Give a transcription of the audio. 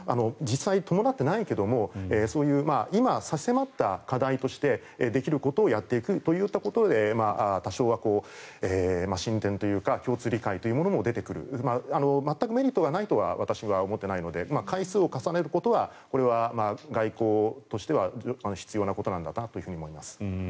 実際に伴っていないけれどそういう今、差し迫った課題としてできることをやっていくといったことで多少は進展というか共通理解というものも出てくる全くメリットはないとは私は思っていないので回数を重ねることは外交としては必要なことなんだなと思います。